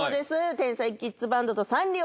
天才キッズバンドとサンリオ